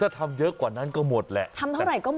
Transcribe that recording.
ถ้าทำเยอะกว่านั้นก็หมดแหละทำเท่าไหร่ก็หมด